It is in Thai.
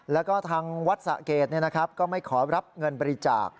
แล้วก็ทางวัดสะเกดก็ไม่ขอรับเงินบริจาค